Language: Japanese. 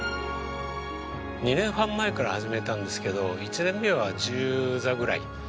２年半前から始めたんですけど１年目は１０座ぐらい。